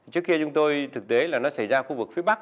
trước kia chúng tôi thực tế là nó xảy ra khu vực phía bắc